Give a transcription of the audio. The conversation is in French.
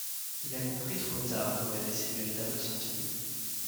Il a compris trop tard où allaient ses véritables sentiments.